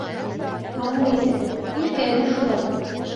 Ә ул әйтә: «Иркә лә шулай».